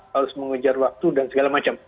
harus mengejar waktu dan segala macam